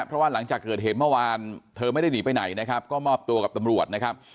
เพราะว่าหลังจากเกิดเหตุเมื่อวานเธอไม่ได้หนีไปไหนนะครับก็มอบตัวกับตำรวจนะครับ